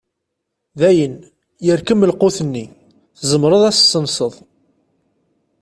Dayen yerkem lqut-nni, tzemreḍ ad as-tessenseḍ.